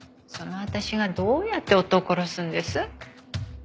その私がどうやって夫を殺すんです？